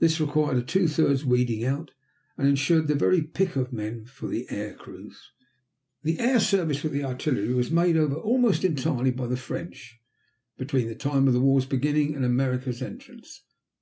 This required a two thirds weeding out, and insured the very pick of men for the air crews. The air service with artillery was made over almost entirely by the French between the time of the war's beginning and America's entrance.